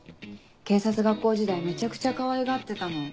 警察学校時代めちゃくちゃかわいがってたの。